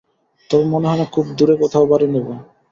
তবে মনে হয় না খুব দূরে কোথাও বাড়ি নেবো।